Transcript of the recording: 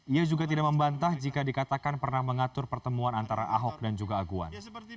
ia juga tidak membantah jika dikatakan pernah mengatur pertemuan antara ahok dan juga aguan